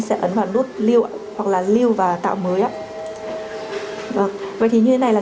hết số liệu trên này luôn